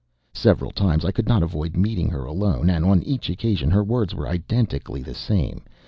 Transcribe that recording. Several times I could not avoid meeting her alone; and on each occasion her words were identically the same.